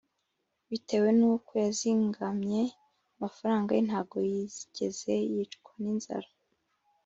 bitewe n’uko yazingamye amafaranga ye ntago yigeze yicwa ninzara